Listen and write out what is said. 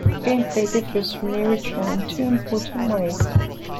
Gameplay differs from the original in two important ways.